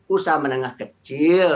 usaha menengah kecil